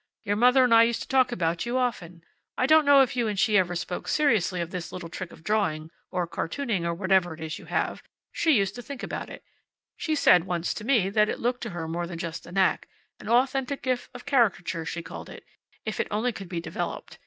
Your mother and I used to talk about you often. I don't know if you and she ever spoke seriously of this little trick of drawing, or cartooning, or whatever it is you have. She used to think about it. She said once to me, that it looked to her more than just a knack. An authentic gift of caricature, she called it if it could only be developed.